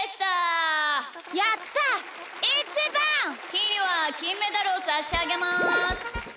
ひーにはきんメダルをさしあげます！